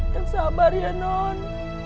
jangan sabar ya non